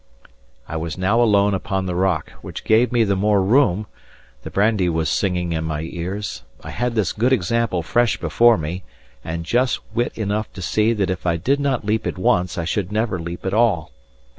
I was now alone upon the rock, which gave me the more room; the brandy was singing in my ears; I had this good example fresh before me, and just wit enough to see that if I did not leap at once, I should never leap at all.